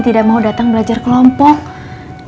tidak mau datang belajar kelompok